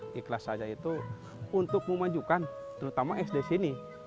dan saya ikhlas saja itu untuk memajukan terutama sd sini